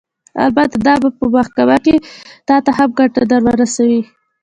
البته دا به په محکمه کښې تا ته هم ګټه درورسوي.